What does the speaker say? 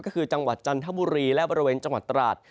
ก็คือจังหวัดจันทบุรีและบริเวณจังหวัดตราด